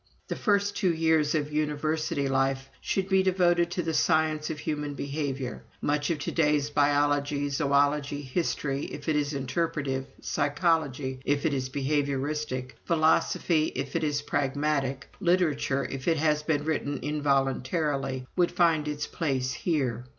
"The first two years of University life should be devoted to the Science of Human Behavior. Much of to day's biology, zoölogy, history, if it is interpretive, psychology, if it is behavioristic, philosophy, if it is pragmatic, literature, if it had been written involuntarily, would find its place here.